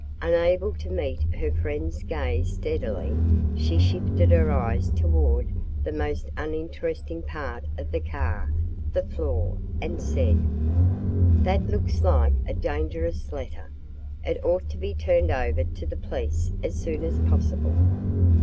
Unable to meet her friend's gaze steadily, she shifted her eyes toward the most uninteresting part of the car, the floor, and said: "That looks like a dangerous letter. It ought to be turned over to the police as soon as possible."